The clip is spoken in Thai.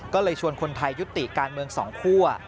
ก็เลยชวนคนไทยยุติการเมืองสองคั่ว